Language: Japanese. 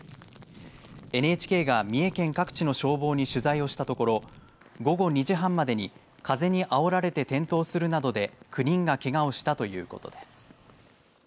ＮＨＫが三重県各地の消防に取材をしたところ午後２時半までに風にあおられて転倒するなどで９人がけがをしたということです。